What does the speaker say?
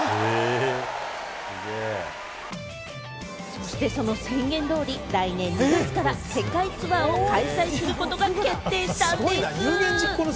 そして、その宣言通り、来年２月から世界ツアーを開催することが決定したんでぃす。